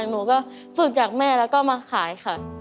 หนูก็ฝึกจากแม่แล้วก็มาขายค่ะ